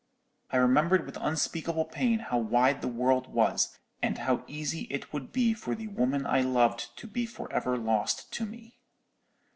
"I remembered with unspeakable pain how wide the world was, and how easy it would be for the woman I loved to be for ever lost to me.